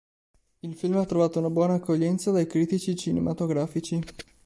Il film ha trovato una buona accoglienza dai critici cinematografici.